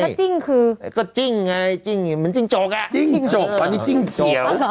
ก็จิ้งคือก็จิ้งไงจิ้งไงเหมือนจิ้งจกอ่ะจิ้งจกตอนนี้จิ้งเขียว